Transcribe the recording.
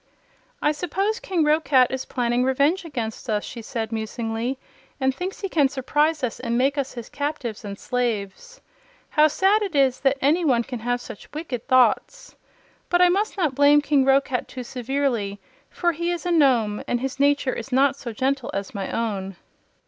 "I suppose King Roquat is planning revenge against us," she said, musingly, "and thinks he can surprise us and make us his captives and slaves. How sad it is that any one can have such wicked thoughts! But I must not blame King Roquat too severely, for he is a Nome, and his nature is not so gentle as my own."